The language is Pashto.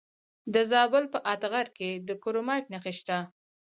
د زابل په اتغر کې د کرومایټ نښې شته.